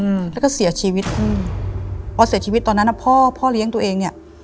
อืมแล้วก็เสียชีวิตอืมพอเสียชีวิตตอนนั้นอ่ะพ่อพ่อเลี้ยงตัวเองเนี้ย